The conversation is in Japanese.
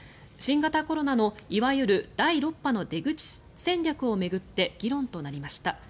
新型コロナのいわゆる第６波の出口戦略を巡って議論となりました。